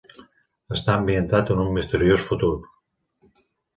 Està ambientat en un misteriós futur.